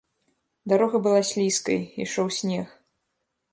Дарога была слізкай, ішоў снег.